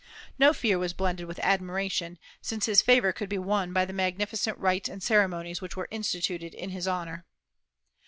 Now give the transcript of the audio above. No fear was blended with admiration, since his favor could be won by the magnificent rites and ceremonies which were instituted in his honor.